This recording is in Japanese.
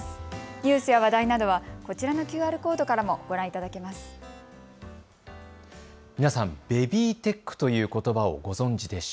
ニュースや話題などはこちらのＱＲコードからもご覧いただけます。